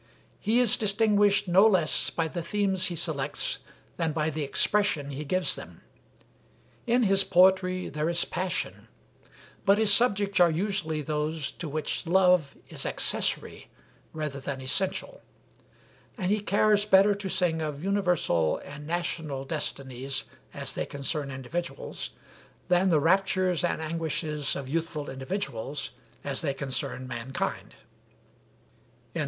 He is distinguished no less by the themes he selects than by the expression he gives them. In his poetry there is passion, but his subjects are usually those to which love is accessory rather than essential; and he cares better to sing of universal and national destinies as they concern individuals, than the raptures and anguishes of youthful individuals as they concern mankind."